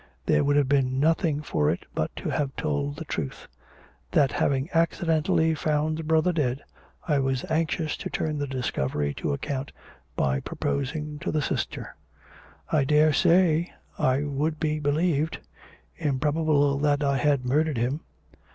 There would have been nothing for it but to have told the truth; that having accidentally found the brother dead, I was anxious to turn the discovery to account by proposing to the sister. I daresay I would be believed; improbable that I had murdered him.